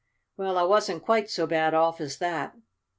Well, I wasn't quite so bad off as that.